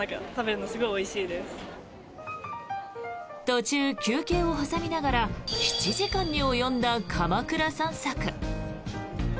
途中、休憩を挟みながら７時間に及んだ鎌倉散策。